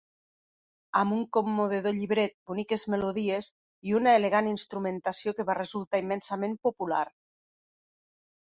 Amb un commovedor llibret, boniques melodies i una elegant instrumentació que va resultar immensament popular.